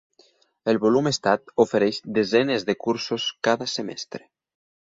El Volum Estat ofereix desenes de cursos cada semestre.